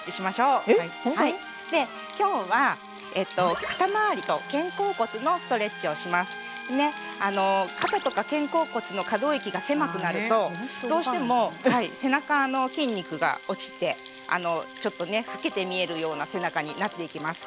今日は肩とか肩甲骨の可動域が狭くなるとどうしても背中の筋肉が落ちてちょっとね老けて見えるような背中になっていきます。